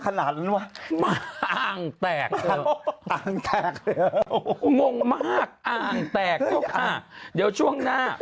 ใครคิดว่าเอกไปอ่างจัดหนัก